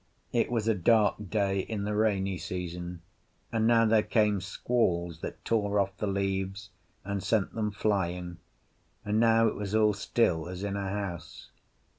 It was a dark day in the rainy season, and now there came squalls that tore off the leaves and sent them flying, and now it was all still as in a house.